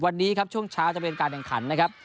วันนี้ครับช่วงเช้าจะเป็นการแข่งขันนะครับ